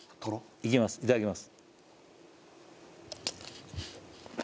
いただきます